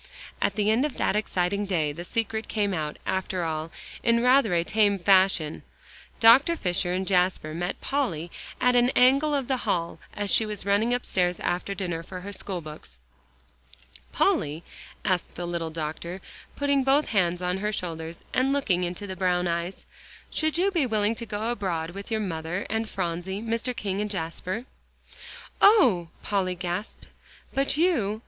And at the end of that exciting day, the secret came out, after all, in rather a tame fashion. Dr. Fisher and Jasper met Polly in an angle of the hall, as she was running upstairs after dinner for her schoolbooks. "Polly," asked the little doctor, putting both hands on her shoulders, and looking into the brown eyes, "should you be willing to go abroad with your mother and Phronsie, Mr. King and Jasper?" "Oh!" Polly gasped. "But you?"